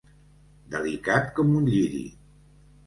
Delicat com un lliri.